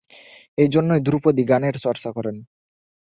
এই জন্যই ধ্রুপদি গানের চর্চা করেন।